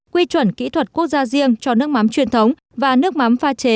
quy chuẩn kỹ thuật quốc gia riêng cho nước mắm truyền thống và nước mắm pha chế